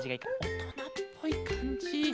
おとなっぽいかんじ。